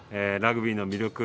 ラグビーの魅力